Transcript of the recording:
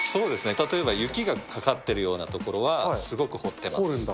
例えば雪がかかってるような所は、すごく彫ってます。